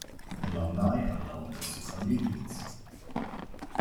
Alumni are known as "Cornellians".